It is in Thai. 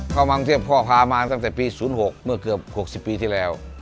กำลังเทียบข้อพามาตั้งแต่ปี๐๖เมื่อเกือบ๖๐ปีที่แล้ว